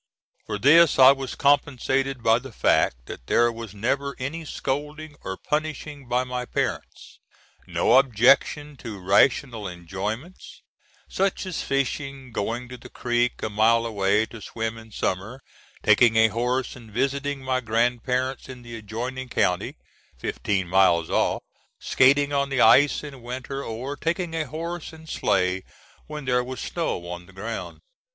For this I was compensated by the fact that there was never any scolding or punishing by my parents; no objection to rational enjoyments, such as fishing, going to the creek a mile away to swim in summer, taking a horse and visiting my grandparents in the adjoining county, fifteen miles off, skating on the ice in winter, or taking a horse and sleigh when there was snow on the ground.